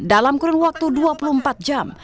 dalam kurun waktu dua puluh empat jam